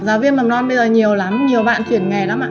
giáo viên mầm non bây giờ nhiều lắm nhiều bạn chuyển nghề lắm ạ